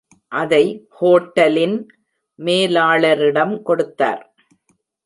அதை ஹோட்டலின் மேலாளரிடம் கொடுத்தார்.